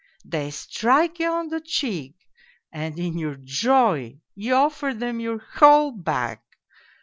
They strike you on the cheek and in your joy you offer them your whole back.